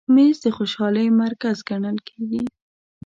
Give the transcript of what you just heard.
مېز د خوشحالۍ مرکز ګڼل کېږي.